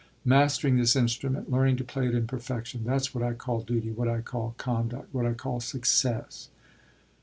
Mastering this instrument, learning to play it in perfection that's what I call duty, what I call conduct, what I call success."